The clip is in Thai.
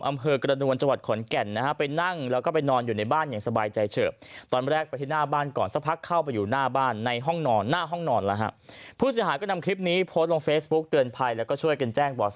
อำเภอกระดวนจังหวัดขอนแก่นนะฮะ